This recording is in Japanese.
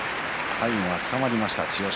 最後はつかまりました千代翔